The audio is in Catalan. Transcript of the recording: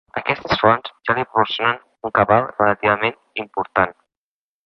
Aquestes fonts ja li proporcionen un cabal relativament important.